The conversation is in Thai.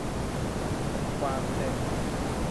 บทความเต็ม